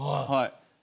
はい。